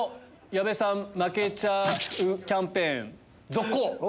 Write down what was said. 矢部さん負けちゃうキャンペーン続行！